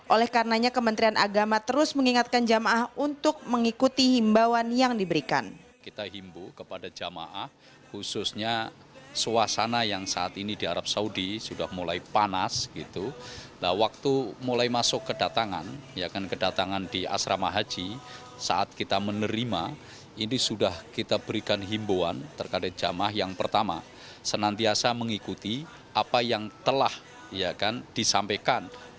oleh karenanya kementerian agama terus mengingatkan jamaah untuk mengikuti imbauan yang diberikan